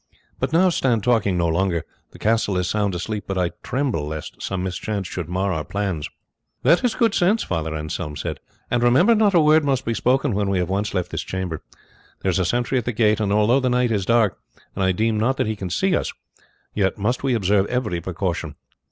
But now stand talking no longer; the castle is sound asleep, but I tremble lest some mischance should mar our plans." "That is good sense," Father Anselm said; "and remember, not a word must be spoken when we have once left this chamber. There is a sentry at the gate; and although the night is dark, and I deem not that he can see us, yet must we observe every precaution."